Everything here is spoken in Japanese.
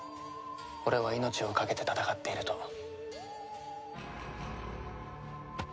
俺は命をかけて戦っていると。